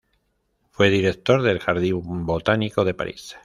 Fue director del Jardín Botánico de París.